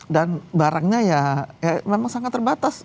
dan barangnya ya memang sangat terbatas